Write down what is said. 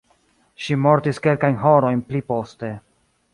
Ŝi mortis kelkajn horojn pli poste.